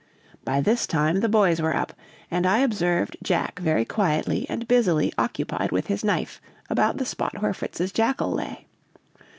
"By this time the boys were up, and I observed Jack very quietly and busily occupied with his knife about the spot where Fritz's jackal lay.